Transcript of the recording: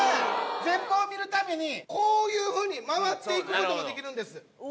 全貌を見るためにこういうふうに回っていくこともできるんです。